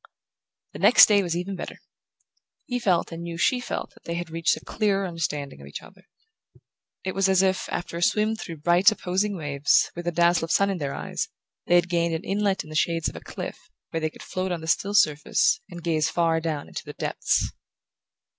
The next day was even better. He felt, and knew she felt, that they had reached a clearer understanding of each other. It was as if, after a swim through bright opposing waves, with a dazzle of sun in their eyes, they had gained an inlet in the shades of a cliff, where they could float on the still surface and gaze far down into the depths.